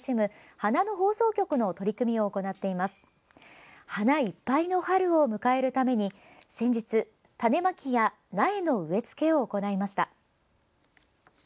花いっぱいの春を迎えるために先日、種まきや苗の植え付けを行いました。